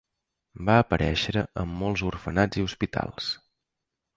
Va aparèixer en molts orfenats i hospitals.